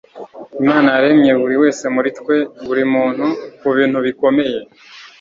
imana yaremye buri wese muri twe, buri muntu, kubintu bikomeye